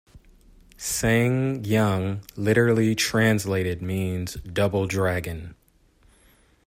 "SsangYong", literally translated, means "Double Dragon".